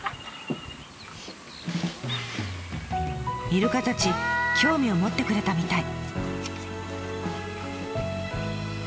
イルカたち興味を持ってくれたみたい。